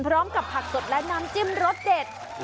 พร้อมกับผักสดและน้ำจิ้มรสเด็ด